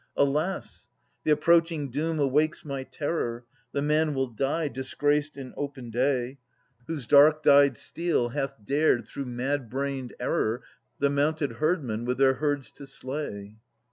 Alas! the approaching doom awakes my terror. The man will die, disgraced in open day, 62 A ias [230 262 Whose dark dyed steel hath dared through mad brained error The mounted herdmen with their herds to slay.